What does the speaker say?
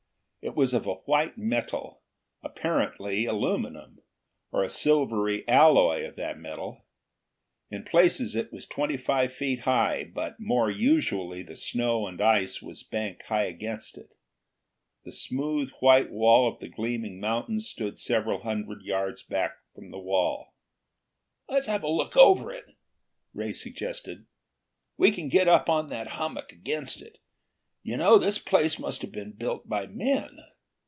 It was of a white metal, apparently aluminum, or a silvery alloy of that metal. In places it was twenty five feet high, but more usually the snow and ice was banked high against it. The smooth white wall of the gleaming mountain stood several hundred yards back from the wall. "Let's have a look over it." Ray suggested. "We can get up on that hummock, against it. You know, this place must have been built by men!"